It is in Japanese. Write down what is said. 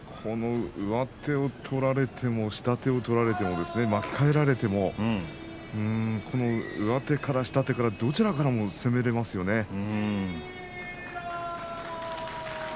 上手を取られても下手を取られても巻き替えられても上手から下手からどちらからも攻められますよね。